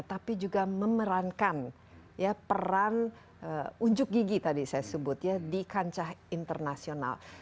tapi juga memerankan ya peran unjuk gigi tadi saya sebut ya di kancah internasional